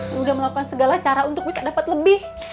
lo udah melakukan segala cara untuk bisa dapat lebih